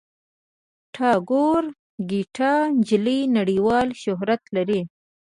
د ټاګور ګیتا نجلي نړیوال شهرت لري.